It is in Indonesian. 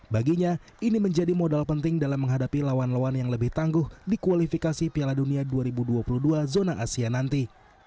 baginya ini menjadi modal penting dalam menghadapi lawan lawan yang lebih tangguh di kualifikasi piala dunia dua ribu dua puluh dua zona asia nanti